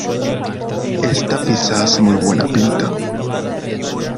Esta pizza hace muy buena pinta.